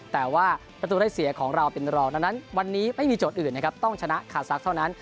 แต่ว่าประตูได้เสียของเราเป็นรองดังนั้นวันนี้ไม่มีโจทย์อื่นนะครับต้องชนะคาซักเท่านั้น